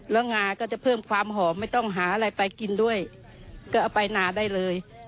แล้วงาก็จะเพิ่มความหอมไม่ต้องหาอะไรไปกินด้วยก็เอาไปนาได้เลย